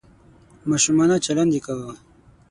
ماشومانه چلند یې کاوه .